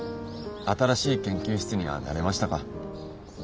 新しい研究室には慣れましたか？